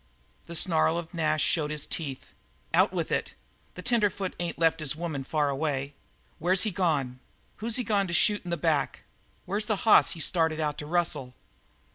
The snarl of Nash showed his teeth. "Out with it. The tenderfoot ain't left his woman fur away. Where's he gone? Who's he gone to shoot in the back? Where's the hoss he started out to rustle?"